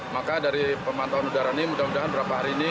maka dari pemantauan udara ini mudah mudahan beberapa hari ini